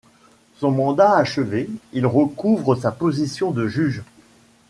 Son mandat achevé, il recouvre sa position de juge.